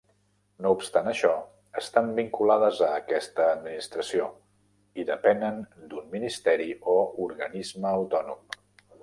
No obstant això, estan vinculades a aquesta Administració i depenen d'un Ministeri o Organisme autònom.